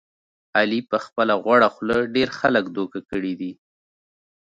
علي په خپله غوړه خوله ډېر خلک دوکه کړي دي.